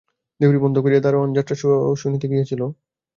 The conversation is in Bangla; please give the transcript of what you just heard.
দেউড়ি বন্ধ করিয়া দরোয়ান যাত্রা শুনিতে গিয়াছিল।